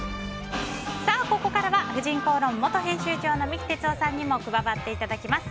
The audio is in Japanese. ここからは「婦人公論」元編集長の三木哲男さんにも加わっていただきます。